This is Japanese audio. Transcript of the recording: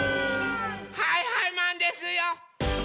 はいはいマンですよ！